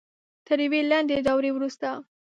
تر یوې لنډې دورې وروسته